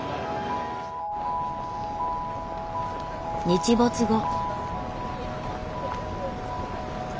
日没後。